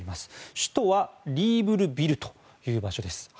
首都はリーブルビルという場所です。